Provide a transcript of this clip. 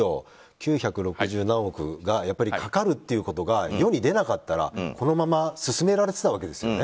９６０何億がかかるということが世に出なかったらこのまま進められてたわけですよね。